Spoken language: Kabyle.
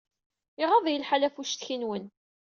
Iɣaḍ-iyi lḥal ɣef uccetki-nwen.